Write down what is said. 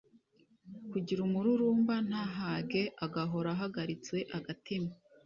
kugira umururumba, ntahage, agahora ahagaritse agatima.